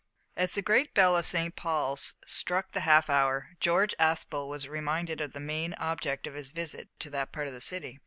As the great bell of St. Paul's struck the half hour, George Aspel was reminded of the main object of his visit to that part of the City.